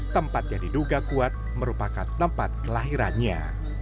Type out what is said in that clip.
tempat yang diduga kuat merupakan tempat kelahirannya